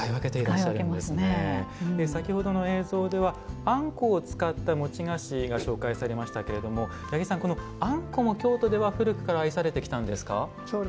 先ほどの映像ではあんこを使った餅菓子が紹介されましたけどあんこも、京都では古くから愛されてきたんですか？